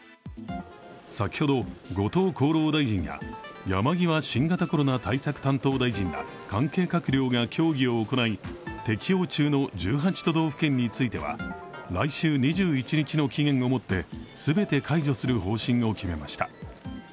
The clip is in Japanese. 先ほど、後藤厚労大臣や山際新型コロナ対策担当大臣ら関係閣僚が協議を行い適用中の１８都道府県については来週２１日の期限をもって全て解除する方針を決めました。